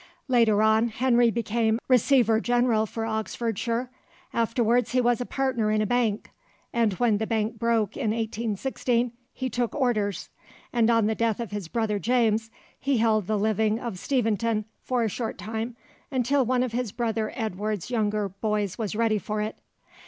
Later on Henry became Receiver General for Oxfordshire, afterwards he was partner in a bank, and when the bank broke in 1816, he took Orders, and on the death of his brother James he held the living of Steventon for a short time until one of his brother Edward's younger boys was ready for it.